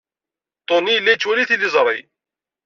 Tony yella yettwali tiliẓri?